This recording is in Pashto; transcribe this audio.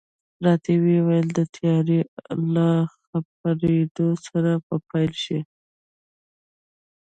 راته وې ویل، د تیارې له خپرېدا سره به پیل شي.